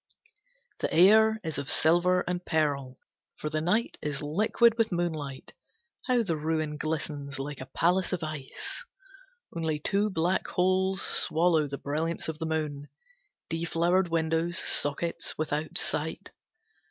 V The air is of silver and pearl, for the night is liquid with moonlight. How the ruin glistens, like a palace of ice! Only two black holes swallow the brilliance of the moon. Deflowered windows, sockets without sight.